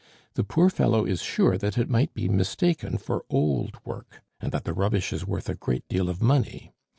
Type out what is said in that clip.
The poor fellow is sure that it might be mistaken for old work, and that the rubbish is worth a great deal of money.